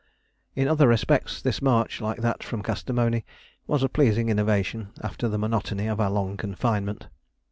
In other respects this march, like that from Kastamoni, was a pleasing innovation after the monotony of our long confinement.